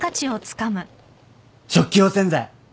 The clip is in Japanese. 食器用洗剤。